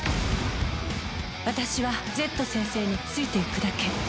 「私はＺ先生についていくだけ」